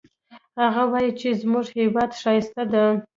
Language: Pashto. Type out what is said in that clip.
هغه وایي چې زموږ هیواد ښایسته ده